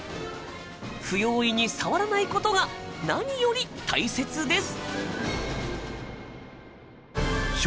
不用意に触らない事が何より大切です。